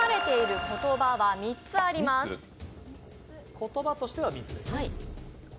言葉としては３つです。